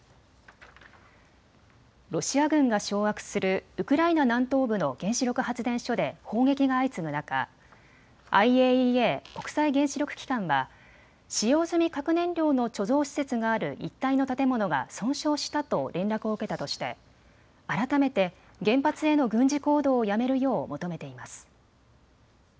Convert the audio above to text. ロシア軍が掌握するウクライナ南東部の原子力発電所で砲撃が相次ぐ中、ＩＡＥＡ・国際原子力機関は使用済み核燃料の貯蔵施設がある一帯の建物が損傷したと連絡を受けたとして改めて原発への軍事行動をやめるよう求めています。